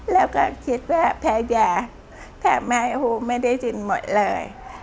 แล้วก็คิดว่าพระเจ้าทำไมฮูไม่ได้ยินหมดเลย